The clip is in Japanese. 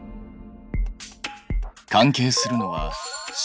関係するのは神経。